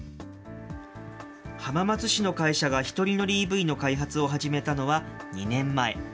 浜松市の会社が１人乗りＥＶの開発を始めたのは２年前。